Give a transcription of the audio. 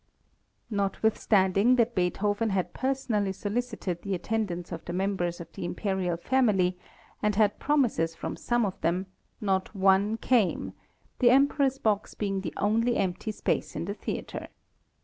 Notwithstanding that Beethoven had personally solicited the attendance of the members of the Imperial family, and had promises from some of them, not one came, the Emperor's box being the only empty space in the theatre.